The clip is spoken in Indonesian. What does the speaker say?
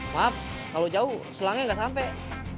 maaf kalau jauh selangnya nggak sampai